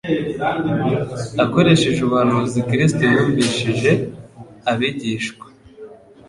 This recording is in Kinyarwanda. Akoresheje ubuhanuzi, Kristo yumvishije abigishwa